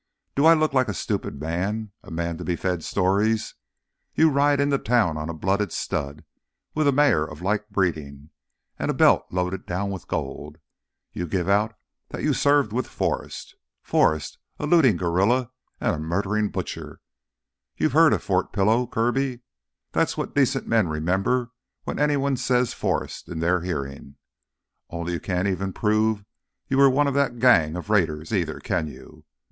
"Do I look like a stupid man, a man to be fed stories? You ride into town on a blooded stud, with a mare of like breeding, and a belt loaded down with gold. You give out that you served with Forrest—Forrest, a looting guerrilla and a murdering butcher! You've heard of Fort Pillow, Kirby? That's what decent men remember when anyone says 'Forrest' in their hearing! Only you can't even prove you were one of that gang of raiders, either, can you?